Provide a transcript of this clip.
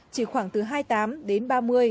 chỉ khoảng từ hai mươi tám đến ba mươi